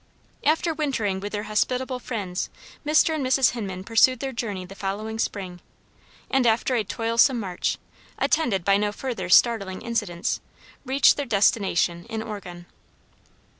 After wintering with their hospitable friends, Mr. and Mrs. Hinman pursued their journey the following spring, and, after a toilsome march, attended by no further startling incidents, reached their destination in Oregon.